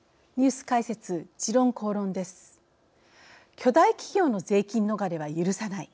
巨大企業の税金逃れは許さない。